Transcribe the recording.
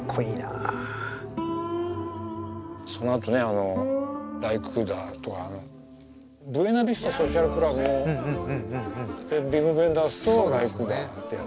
そのあとねあのライ・クーダーと「ブエナ・ビスタ・ソシアル・クラブ」もヴィム・ヴェンダースとライ・クーダーでやってるよね。